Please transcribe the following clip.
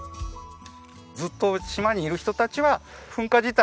ずっと島にいる人たちは噴火自体